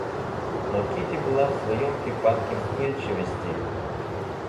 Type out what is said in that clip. Но Кити была в своем припадке вспыльчивости.